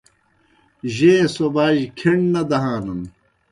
جیں سوباجیْ کھیݨ نہ دہانَن